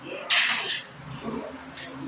หวัดค้นหน้าไข่เราดู